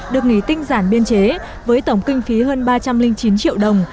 được nghỉ tinh giản biên chế với tổng kinh phí hơn ba trăm linh chín triệu đồng